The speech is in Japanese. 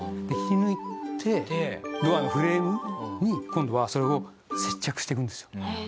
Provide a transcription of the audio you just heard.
で引き抜いてドアのフレームに今度はそれを接着していくんですよ。